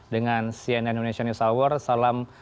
dengan cnn indonesia news hour salam